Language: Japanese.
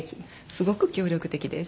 すごく協力的です。